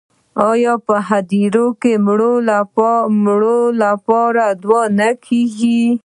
آیا په هدیره کې د مړو لپاره دعا نه کیږي؟